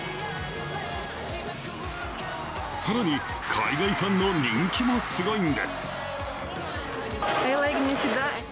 更に海外ファンの人気もすごいんです。